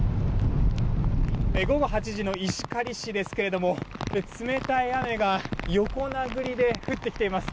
午後８時の石狩市ですけれども冷たい雨が横殴りで降ってきています。